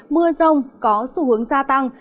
mưa rông có xu hướng gia tăng